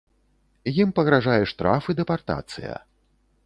Ім пагражае штраф і дэпартацыя.